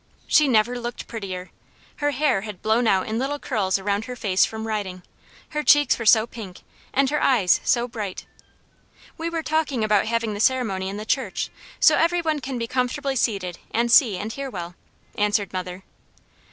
She never looked prettier. Her hair had blown out in little curls around her face from riding, her cheeks were so pink, and her eyes so bright. "We were talking about having the ceremony in the church, so every one can be comfortably seated, and see and hear well," answered mother.